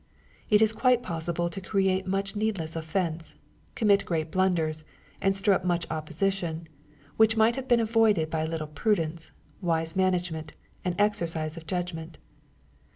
It is quite possible to create much needless offence, commit great blunders, and stir up much opposition, which might have been avoided by a little prudence, wise management, and exercise of judg ment.